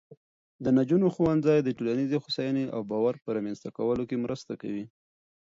د نجونو ښوونځی د ټولنیزې هوساینې او باور په رامینځته کولو کې مرسته کوي.